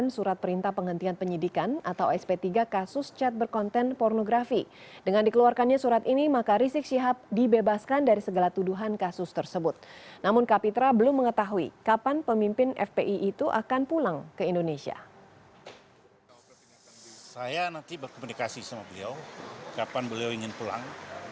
saya nanti berkomunikasi sama beliau kapan beliau ingin pulang